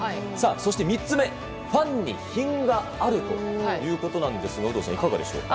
そして３つ目、ファンに品があるということなんですが有働さん、いかがでしょうか？